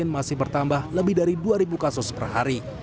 masih bertambah lebih dari dua kasus per hari